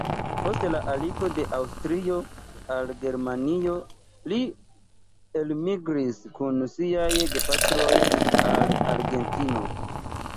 Post la aligo de Aŭstrio al Germanio li elmigris kun siaj gepatroj al Argentino.